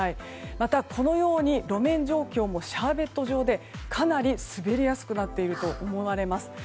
また、このように路面状況もシャーベット状でかなり滑りやすくなっていると思われます。